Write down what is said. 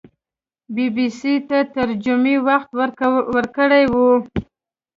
بي بي سي ته تر جمعې وخت ورکړی وو